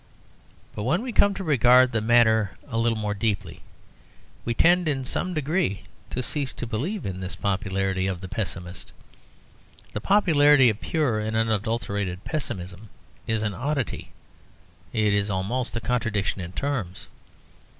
But when we come to regard the matter a little more deeply we tend in some degree to cease to believe in this popularity of the pessimist. The popularity of pure and unadulterated pessimism is an oddity; it is almost a contradiction in terms.